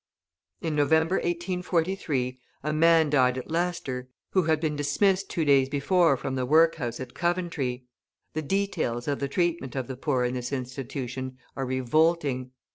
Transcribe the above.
In November, 1843, a man died at Leicester, who had been dismissed two days before from the workhouse at Coventry. The details of the treatment of the poor in this institution are revolting.